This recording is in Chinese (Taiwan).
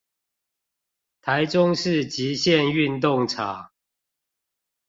臺中市極限運動場